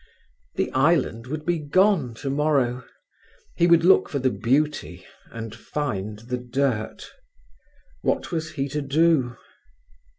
The island would be gone tomorrow: he would look for the beauty and find the dirt. What was he to do?